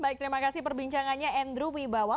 baik terima kasih perbincangannya andrew wibawa